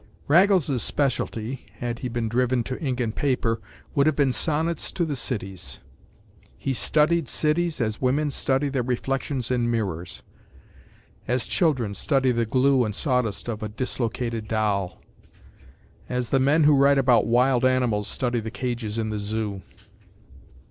Raggles’s specialty, had he been driven to ink and paper, would have been sonnets to the cities. He studied cities as women study their reflections in mirrors; as children study the glue and sawdust of a dislocated doll; as the men who write about wild animals study the cages in the zoo.